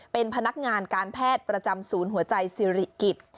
เป็นพนักงานการแพทย์ประจำศูนย์หัวใจสิริกิจ